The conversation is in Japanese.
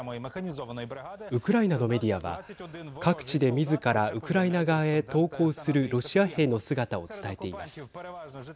ウクライナのメディアは各地でみずからウクライナ側へ投降するロシア兵の姿を伝えています。